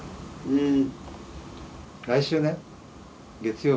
うん。